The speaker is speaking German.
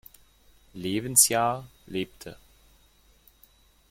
Lebensjahr lebte.